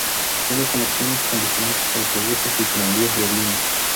Tiene conexiones con diferentes autobuses y tranvías de Viena.